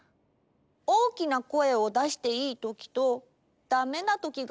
大きな声をだしていいときとダメなときがあるってこと？